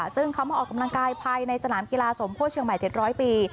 ซึ่งเขามาออกกำลังกายภายในสนามกีฬาสมโพธิเชียงใหม่๗๐๐ปี